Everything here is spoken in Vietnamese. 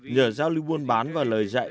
nhờ giao lưu buôn bán và lời dạy